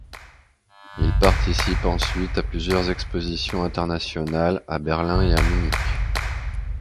Il participe ensuite à plusieurs expositions internationales, à Berlin et à Munich.